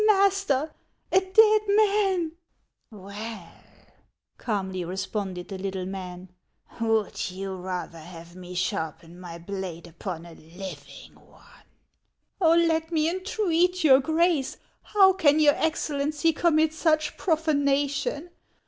master ! A dead man !"" Well," calmly responded the little man, " would you rather have me sharpen my blade upon a living one ?"" Oh, let me entreat your Grace — How can your Excellency commit such profanation